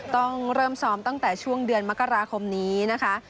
ต้องเริ่มซ้อมตั้งแต่ช่วงเดือนมกราคมนี้นะคะ